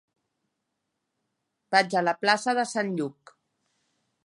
Vaig a la plaça de Sant Lluc.